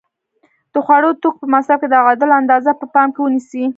د خوړو د توکو په مصرف کې د تعادل اندازه په پام کې ونیسئ.